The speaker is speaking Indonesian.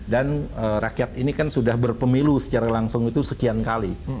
dan rakyat ini kan sudah berpemilu secara langsung itu sekian kali